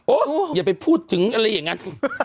อย่าไปพูดถึงอะไรอย่างนั้น